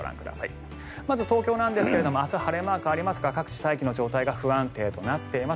まず東京ですが明日晴れマークとなりますが大気の状態が不安定となっています